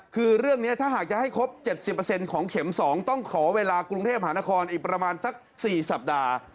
คือเรื่องนี้ถ้าหากจะให้ครบ๗๐ของเข็ม๒ต้องขอเวลากรุงเทพหานครอีกประมาณสัก๔สัปดาห์